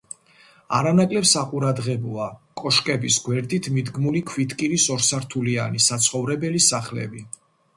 არანაკლებ საყურადღებოა კოშკების გვერდით მიდგმული ქვითკირის ორსართულიანი საცხოვრებელი სახლები.